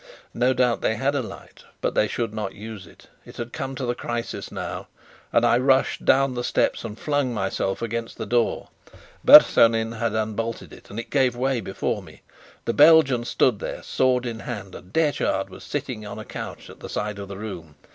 No doubt they had a light, but they should not use it. It was come to the crisis now, and I rushed down the steps and flung myself against the door. Bersonin had unbolted it and it gave way before me. The Belgian stood there sword in hand, and Detchard was sitting on a couch at the side of the room.